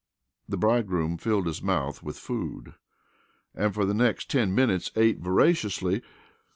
The bridegroom filled his mouth with food and for the next ten minutes ate voraciously.